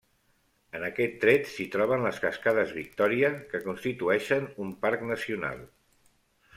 En aquest tret s'hi troben les cascades Victòria, que constitueixen un Parc Nacional.